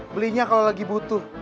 belinya kalau lagi butuh